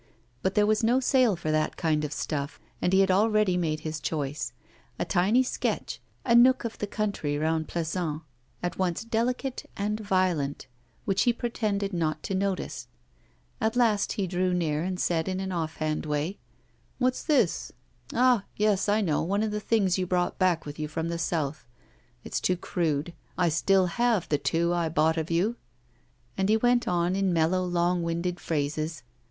But there was no sale for that kind of stuff, and he had already made his choice a tiny sketch, a nook of the country round Plassans, at once delicate and violent which he pretended not to notice. At last he drew near, and said, in an off hand way: 'What's this? Ah! yes, I know, one of the things you brought back with you from the South. It's too crude. I still have the two I bought of you.' And he went on in mellow, long winded phrases.